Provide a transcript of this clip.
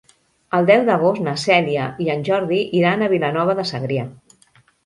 El deu d'agost na Cèlia i en Jordi iran a Vilanova de Segrià.